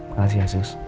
makasih ya sus